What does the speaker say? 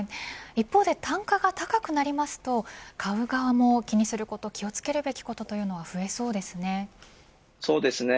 一方で、単価が高くなりますと買う側も気にすること気を付けるべきことはそうですね。